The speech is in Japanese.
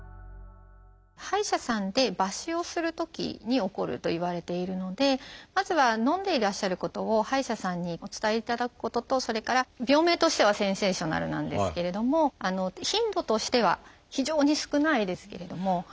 歯医者さんで抜歯をするときに起こるといわれているのでまずはのんでいらっしゃることを歯医者さんにお伝えいただくこととそれから病名としてはセンセーショナルなんですけれども頻度としては非常に少ないですけれども。